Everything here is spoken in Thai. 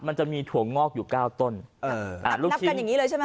มันจะมีถั่วงอกอยู่เก้าต้นเอออ่าลูกนับกันอย่างงี้เลยใช่ไหม